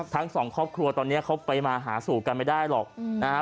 ทั้งสองครอบครัวตอนนี้เขาไปมาหาสู่กันไม่ได้หรอกนะฮะ